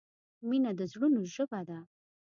مینه د زړونو ژبه ده.